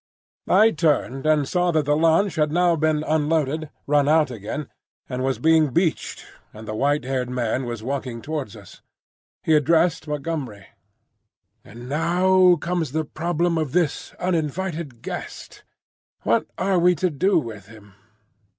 I turned and saw that the launch had now been unloaded, run out again, and was being beached, and the white haired man was walking towards us. He addressed Montgomery. "And now comes the problem of this uninvited guest. What are we to do with him?"